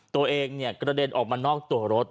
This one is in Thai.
ตัวเองกระเด็นออกมานอกตัวรถ